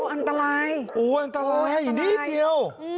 โอ้อันตรายอันตรายนิดเดียว